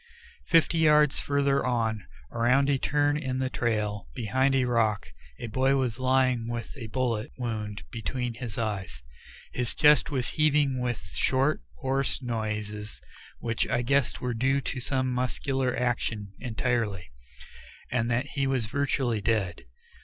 Fifty yards farther on, around a turn in the trail, behind a rock, a boy was lying with a bullet wound between his eyes. His chest was heaving with short, hoarse noises which I guessed were due to some muscular action entirely, and that he was virtually dead.